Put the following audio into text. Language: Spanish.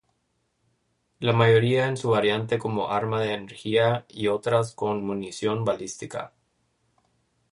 La mayoría en su variante como arma de energía y otras con munición balística.